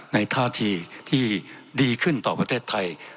ท่าทีที่ดีขึ้นต่อประเทศไทย